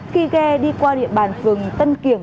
khi ghe đi qua địa bàn phường tân kiềng